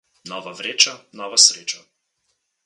Nova vreča, nova sreča.